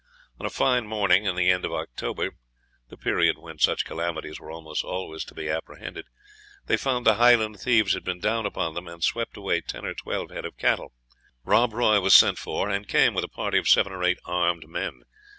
On a fine morning in the end of October, the period when such calamities were almost always to be apprehended, they found the Highland thieves had been down upon them, and swept away ten or twelve head of cattle. Rob Roy was sent for, and came with a party of seven or eight armed men.